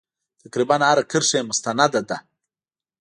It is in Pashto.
تقریبا هره کرښه یې مستنده ده.